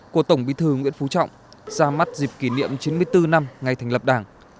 của tổng bí thư nguyễn phú trọng ra mắt dịp kỷ niệm chín mươi bốn năm ngày thành lập đảng